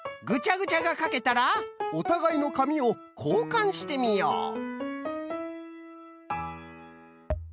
ぐちゃぐちゃがかけたらおたがいのかみをこうかんしてみよう。